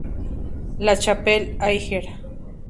La Chapelle-Iger